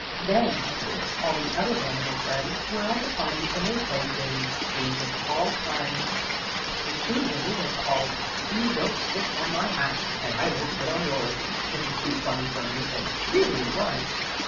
Then, of course, all the other animal friends were at the party and they played games games of all kinds, including a new one called "Please don't sit on my hat, and I won't sit on yours." It was too funny for anything, really it was.